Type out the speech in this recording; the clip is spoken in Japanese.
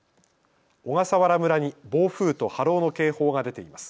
小笠原村に暴風と波浪の警報が出ています。